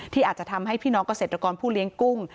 อาจจะทำให้พี่น้องเกษตรกรผู้เลี้ยงกุ้ง